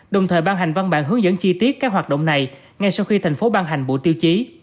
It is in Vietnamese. đồng thời ban hành văn bản hướng dẫn chi tiết các hoạt động này ngay sau khi thành phố ban hành bộ tiêu chí